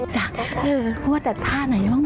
จั๊กไม่ว่าแต่ท่าไหนบ้าง